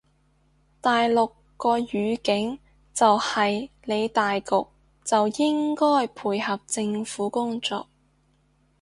大陸個語境就係理大局就應該配合政府工作